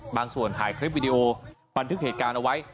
บางส่วนถ่ายคลิปวิดีโอบันทึกเหตุการณ์เอาไว้